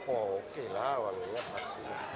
oh oke lah wanginya pasti